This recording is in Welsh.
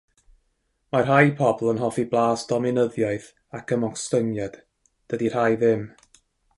Mae rhai pobl yn hoffi blas dominyddiaeth ac ymostyngiad... dydy rhai ddim.